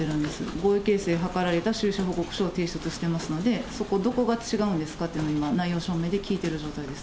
合意形成を図られた収支報告書を提出してますので、そこ、どこが違うんですかっていうのを今、内容証明で聞いているところです。